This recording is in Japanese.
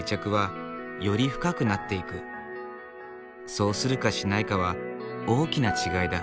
そうするかしないかは大きな違いだ。